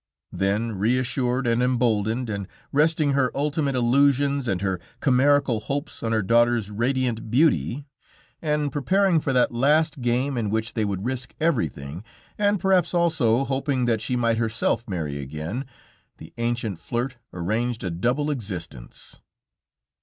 Then reassured and emboldened, and resting her ultimate illusions and her chimerical hopes on her daughter's radiant beauty, and preparing for that last game in which they would risk everything, and perhaps also hoping that she might herself marry again, the ancient flirt arranged a double existence.